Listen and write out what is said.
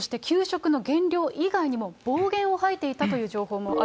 そして給食の減量以外にも、暴言を吐いていたという情報もあ